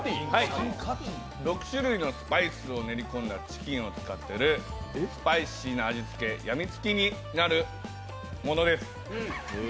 ６種類のスパイスを練り込んだチキンを使っているスパイシーな味付け、やみつきになるものです。